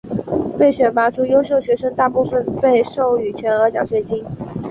被选拔出的优秀学生大部分被授予全额奖学金。